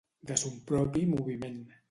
De son propi moviment.